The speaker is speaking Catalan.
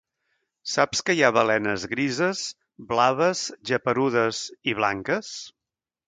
Saps que hi ha balenes grises, blaves, geperudes... i blanques?